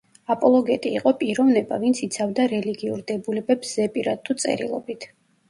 აპოლოგეტი იყო პიროვნება, ვინც იცავდა რელიგიურ დებულებებს ზეპირად თუ წერილობით.